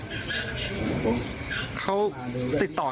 ทีมข่าวของเราติดต่อสีกาในกุฏิ